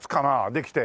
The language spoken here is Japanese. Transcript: できて。